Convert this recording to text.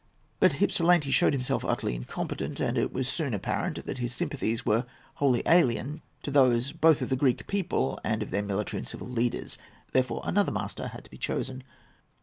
But Hypsilantes showed himself utterly incompetent, and it was soon apparent that his sympathies were wholly alien to those both of the Greek people and of their military and civil leaders. Therefore another master had to be chosen.